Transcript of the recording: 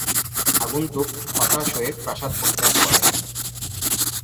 আগন্তুক হতাশ হয়ে প্রাসাদ পরিত্যাগ করেন।